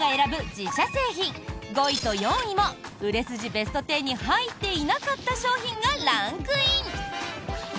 自社製品５位と４位も売れ筋ベスト１０に入っていなかった商品がランクイン！